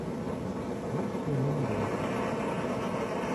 Nechi ini ni ndeo?